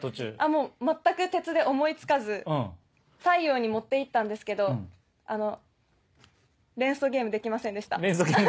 もう全く鉄で思い付かず太陽に持って行ったんですけどあの連想ゲームできませんでした。